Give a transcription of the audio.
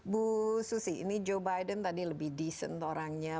bu susi ini joe biden tadi lebih decent orangnya